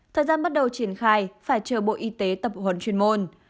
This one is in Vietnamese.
thời gian bắt đầu triển khai phải chờ bộ y tế tập huấn chuyên môn